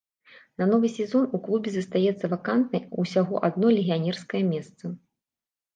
На новы сезон у клубе застаецца вакантнай усяго адно легіянерскае месца.